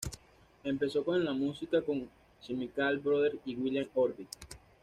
Empezó en la música con Chemical Brothers y William Orbit.